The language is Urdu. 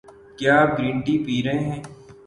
کیا آپ گرین ٹی پی رہے ہے؟